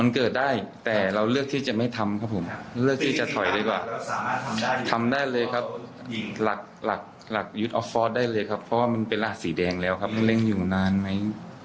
ในตอนนั้นมีความกังวลไหมว่ามันอาจจะไปโดนจุดอื่นหรือเขาอาจจะขยับอะไร